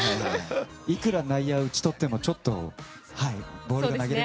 いくら内野を打ち取ってもちょっとボール投げれない。